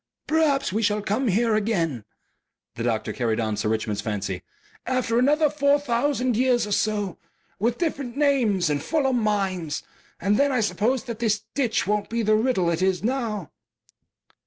"Perhaps we shall come here again," the doctor carried on Sir Richmond's fancy; "after another four thousand years or so, with different names and fuller minds. And then I suppose that this ditch won't be the riddle it is now."